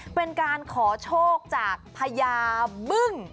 เป็นการขอโชคจากพญาบึ้ง